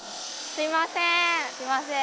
すいません。